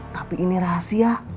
tapi ini rahasia